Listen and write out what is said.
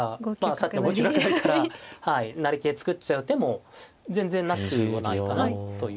さっきの５九角成から成桂作っちゃう手も全然なくはないかなという。